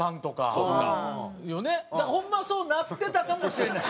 だからホンマはそうなってたかもしれない。